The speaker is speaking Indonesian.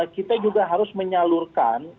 kita juga harus menyalurkan